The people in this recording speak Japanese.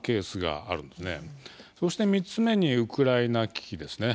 そして３つ目にウクライナ危機ですね。